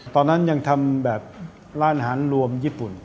ตอนนั้นยังทำแบบร้านอาหารรวมญี่ปุ่น